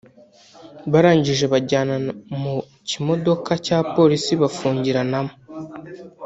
barangije banjyana mu kimodoka cya Polisi bamfungiranamo